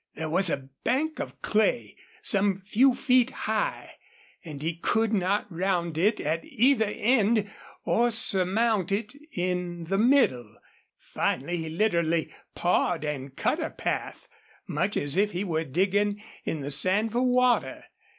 There was a bank of clay, some few feet high, and he could not round it at either end or surmount it in the middle. Finally he literally pawed and cut a path, much as if he were digging in the sand for water.